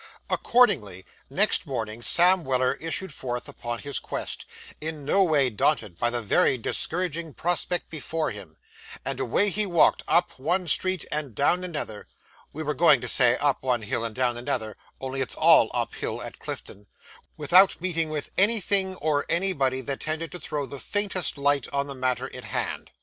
Accordingly, next morning, Sam Weller issued forth upon his quest, in no way daunted by the very discouraging prospect before him; and away he walked, up one street and down another we were going to say, up one hill and down another, only it's all uphill at Clifton without meeting with anything or anybody that tended to throw the faintest light on the matter in hand.